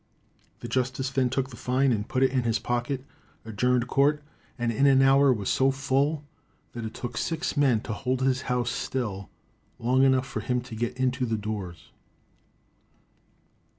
The justice then took the fine and put it in his pocket, adjourned court, and in an hour was so full that it took six men to hold his house still long enough for him to get into the doors.